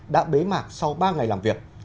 đã bế mạc sau ba ngày làm việc